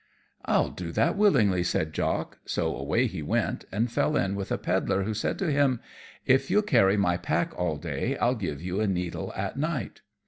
"I'll do that willingly," said Jock. So away he went, and fell in with a pedler, who said to him, "If you'll carry my pack all day, I'll give you a needle at night."